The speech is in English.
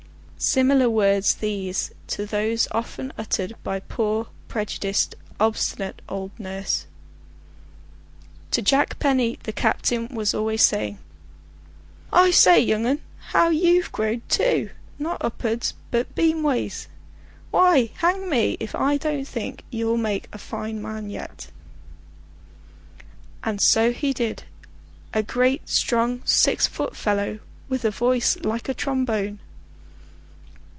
Similar words these to those often uttered by poor, prejudiced, obstinate old nurse. To Jack Penny the captain was always saying: "I say, young 'un, how you've growed too; not uppards but beam ways. Why, hang me if I don't think you'll make a fine man yet!" And so he did; a great strong six foot fellow, with a voice like a trombone.